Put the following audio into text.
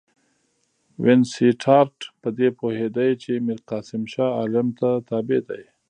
وینسیټارټ په دې پوهېدی چې میرقاسم شاه عالم ته تابع دی.